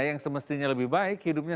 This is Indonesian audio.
yang semestinya lebih baik hidupnya